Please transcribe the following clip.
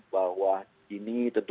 bahwa ini tentu